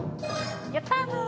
やったー！